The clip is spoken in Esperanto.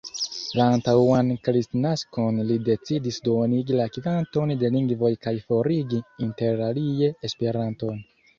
La antaŭan kristnaskon li decidis duonigi la kvanton de lingvoj kaj forigi interalie Esperanton.